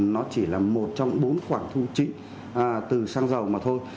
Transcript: nó chỉ là một trong bốn khoản thu chịu từ xăng dầu mà thôi